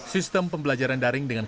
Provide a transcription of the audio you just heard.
sistem pembelajaran daring dengan